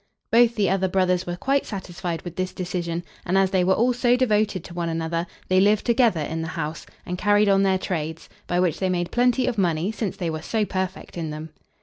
Both the other brothers were quite satisfied with this decision, and as they were all so devoted to one another, they lived together in the house, and carried on their trades, by which they made plenty of money, since they were so perfect in them.